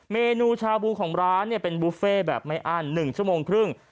เมนูชาบูสภารณ์ของร้านน่ะเป็นบุฟเฟ่แบบไม่อ้านหนึ่งชั่วโมงครึ่ง